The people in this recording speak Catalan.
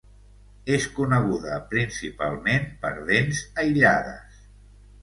És coneguda principalment per dents aïllades.